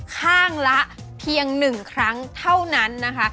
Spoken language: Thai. ข้างละเพียง๑ครั้งเท่านั้นนะคะ